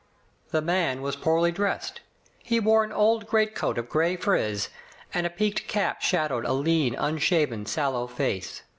The man was poorly dressed. He wore an old greatcoat of gray frieze, and a peaked cap shad owed a lean, unshaven, sallow face.